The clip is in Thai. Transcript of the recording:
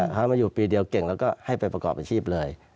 เขามาอยู่ปีเดียวเก่งแล้วก็ให้ไปประกอบอาชีพเลย